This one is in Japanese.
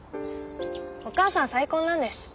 お母さん再婚なんです。